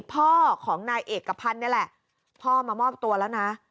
พ่อของนายเอกพันธ์นี่แหละพ่อมามอบตัวแล้วนะ